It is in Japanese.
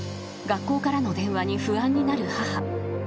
［学校からの電話に不安になる母］